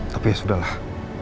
tapi ya sudah lah